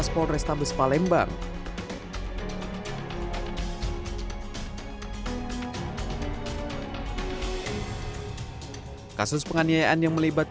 tanggal lima belas maret hari ini pecahkan yang akan atau diakuisasi oleh politik